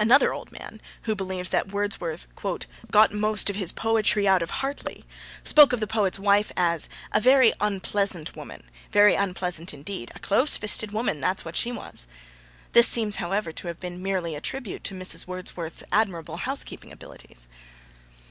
Another old man, who believed that Wordsworth 'got most of his poetry out of Hartley,' spoke of the poet's wife as 'a very onpleasant woman, very onpleasant indeed. A close fisted woman, that's what she was.' This, however, seems to have been merely a tribute to Mrs. Wordsworth's admirable housekeeping qualities.